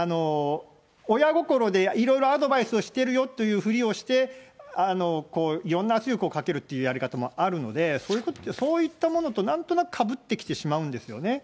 親心でいろいろアドバイスをしてるよっていうふりをして、いろんな圧力をかけるというやり方もあるので、そういったものとなんとなくかぶってきてしまうんですよね。